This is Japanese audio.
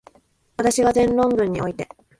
私が前論文において、